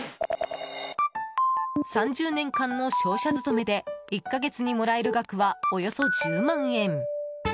３０年間の商社勤めで１か月にもらえる額はおよそ１０万円。